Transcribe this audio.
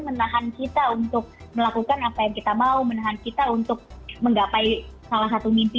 menahan kita untuk melakukan apa yang kita mau menahan kita untuk menggapai salah satu mimpi